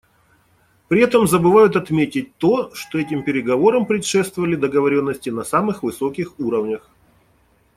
При этом забывают отметить то, что этим переговорам предшествовали договоренности на самых высоких уровнях.